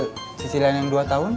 kalau saya ambil cicilan yang dua tahun